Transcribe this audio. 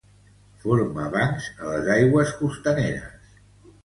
Forma bancs a les aigües costaneres.